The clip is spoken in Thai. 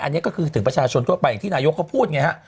อันนี้ก็คือถึงประชาชนทั่วไปอย่างที่นายกเขาพูดไงฮะ